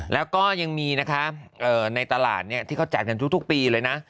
แล้วก็ยังมีนะคะในตลาดที่เขาแจกกันทุกปีเลยนะ